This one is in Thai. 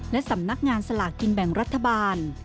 และสำนักงานสลากกินแบ่งรัฐบาล